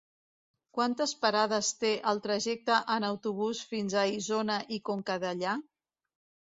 Quantes parades té el trajecte en autobús fins a Isona i Conca Dellà?